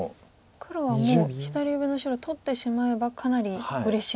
黒はもう左上の白取ってしまえばかなりうれしい。